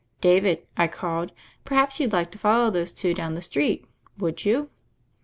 "David," I called, "perhaps you'd like to fol low those two down the street, would you?"